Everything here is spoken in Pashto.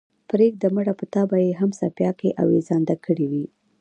پرېږده مړه په تا به ئې هم څپياكه اوېزانده كړې وي۔